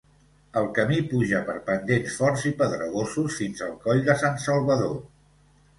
El camí puja per pendents forts i pedregosos fins al Coll de Sant Salvador.